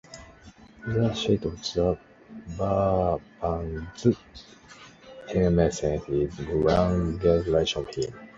The seat of the "Verbandsgemeinde" is in Langenlonsheim.